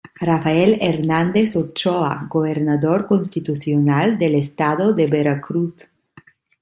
Rafael Hernández Ochoa Gobernador Constitucional del Estado de Veracruz.